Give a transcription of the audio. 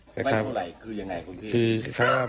ไม่เท่าไหร่คือยังไงคุณพี่